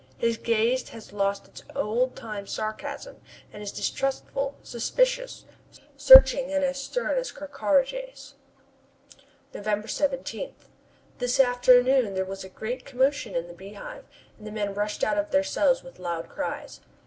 His gaze has lost its old time sarcasm and is distrustful, suspicious, searching and as stern as Ker Karraje's. November 17. This afternoon there was a great commotion in the Beehive, and the men rushed out of their cells with loud cries.